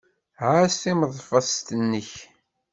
Ɛass timeḍfest-nnek.